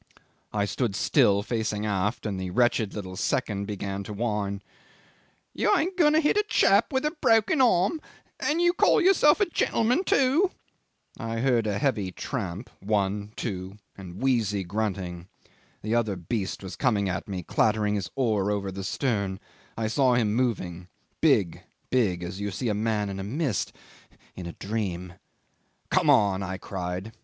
I stood still facing aft, and the wretched little second began to whine, 'You ain't going to hit a chap with a broken arm and you call yourself a gentleman, too.' I heard a heavy tramp one two and wheezy grunting. The other beast was coming at me, clattering his oar over the stern. I saw him moving, big, big as you see a man in a mist, in a dream. 'Come on,' I cried.